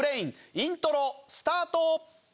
イントロスタート！